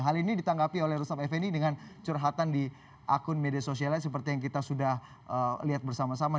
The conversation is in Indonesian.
hal ini ditanggapi oleh rustam effendi dengan curhatan di akun media sosialnya seperti yang kita sudah lihat bersama sama